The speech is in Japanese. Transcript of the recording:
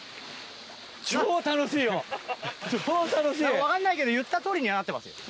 何か分かんないけど言ったとおりにはなってますよ。